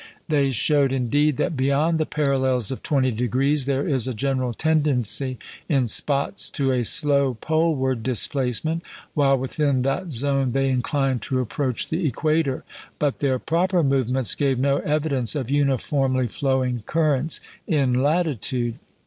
They showed, indeed, that beyond the parallels of 20° there is a general tendency in spots to a slow poleward displacement, while within that zone they incline to approach the equator; but their "proper movements" gave no evidence of uniformly flowing currents in latitude.